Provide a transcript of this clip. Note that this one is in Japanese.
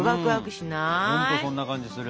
ほんとそんな感じする。